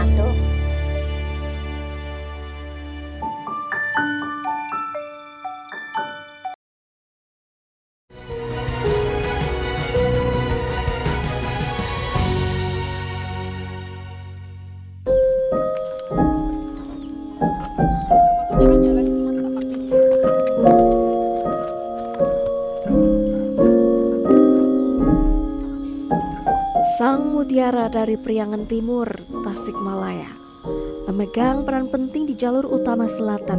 sang mutiara dari priangan timur tasikmalaya memegang peran penting di jalur utama selatan